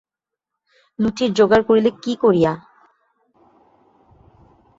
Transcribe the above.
লুচির জোগাড় করিলে কী করিয়া?